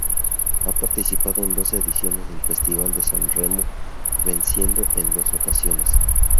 Ha participado en doce ediciones del Festival de San Remo venciendo en dos ocasiones.